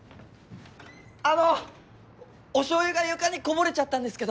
あのうおしょうゆが床にこぼれちゃったんですけど。